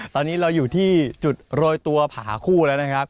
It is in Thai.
ตอนนี้เราอยู่ที่จุดโรยตัวผาคู่แล้วนะครับ